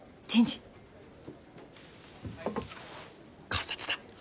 監察だ。